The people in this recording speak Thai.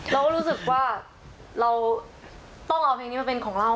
เราก็รู้สึกว่าเราต้องเอาเพลงนี้มาเป็นของเรา